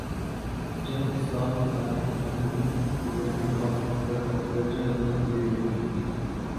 جب اسلام مخالف مغربی قوتیں, لاک ڈاون پر حد درجہ زور دے رہی تھیں